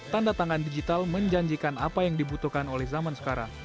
tanda tangan digital menjanjikan apa yang dibutuhkan oleh zaman sekarang